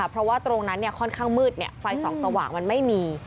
เพราะว่าตรงนั้นค่อนข้างมืดไฟส่องสว่างมันไม่มี